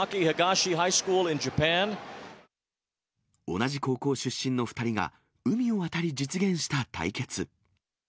同じ高校出身の２人が海を渡り実現した対決。